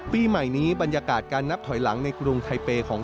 ปีใหม่นี้บรรยากาศการนับถอยหลังในกรุงไทเปย์ของ